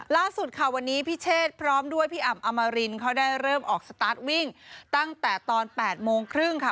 ล่าสุดค่ะวันนี้พี่เชษพร้อมด้วยพี่อ่ำอมรินเขาได้เริ่มออกสตาร์ทวิ่งตั้งแต่ตอน๘โมงครึ่งค่ะ